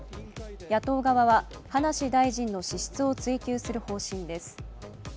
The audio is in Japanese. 野党側は葉梨大臣の資質を追及する方針です。